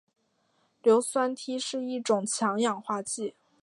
硫酸锑是一种强氧化剂。